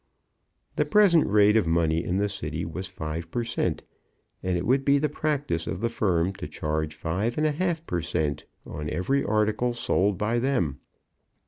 The present rate of money in the city was five per cent., and it would be the practice of the firm to charge five and a half per cent. on every article sold by them.